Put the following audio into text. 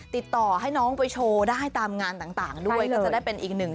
ติดต่อให้น้องไปโชว์ได้ตามงานต่างด้วยก็จะได้เป็นอีกหนึ่ง